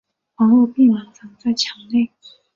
皇后闭门藏在墙内。